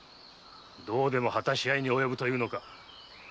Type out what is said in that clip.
どうでも果たし合いに及ぶというのか？